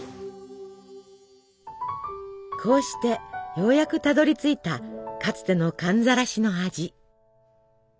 こうしてようやくたどりついたかつての寒ざらしの味。